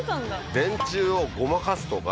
電池をごまかすとか。